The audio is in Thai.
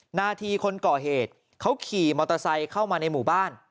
หน้าทีคนก่อเหตุเขาขี่มอเตอร์ไซค์เข้ามาในหมู่บ้าน